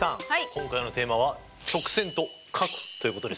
今回のテーマは直線と角ということですね。